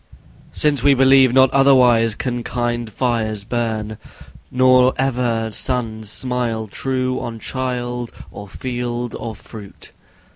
Since we believe not otherwise can kind fires burn; Nor ever suns smile true on child, or field, or fruit.